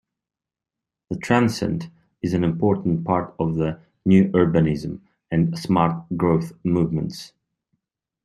The transect is an important part of the New Urbanism and smart growth movements.